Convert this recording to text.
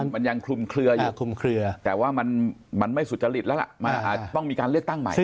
มันยังคลุมเคลืออยู่คลุมเคลือแต่ว่ามันไม่สุจริตแล้วล่ะมันต้องมีการเลือกตั้งใหม่